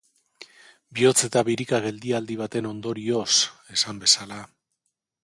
Bihotz eta birika-geldialdi baten ondorioz, esan bezala.